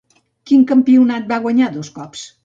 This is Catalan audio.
Quin campionat va guanyar dos cops?